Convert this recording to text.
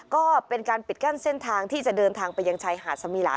ก็เป็นการปิดกั้นเส้นทางที่จะเดินทางไปยังชายหาดสมีลา